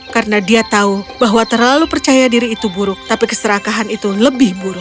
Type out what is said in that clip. karena dia tahu bahwa terlalu percaya diri itu buruk tapi keserakahan itu lebih buruk